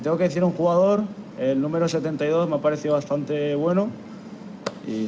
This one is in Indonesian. dan jika saya harus menjadi pemain nomor tujuh puluh dua menurut saya sangat bagus